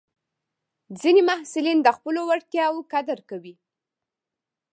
ځینې محصلین د خپلو وړتیاوو قدر کوي.